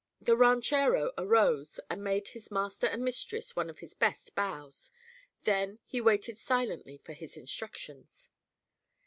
The ranchero arose and made his master and mistress one of his best bows. Then he waited silently for instructions.